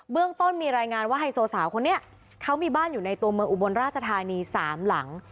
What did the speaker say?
เรื่องต้นมีรายงานว่าไฮโซสาวคนนี้เขามีบ้านอยู่ในตัวเมืองอุบลราชธานี๓หลัง